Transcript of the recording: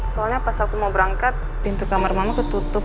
soalnya pas aku mau berangkat pintu kamar mama ketutup